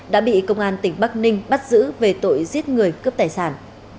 đã bị công an tỉnh bắc ninh bắt giữ về tội giết người cướp tài sản